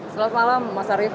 selamat malam mas arif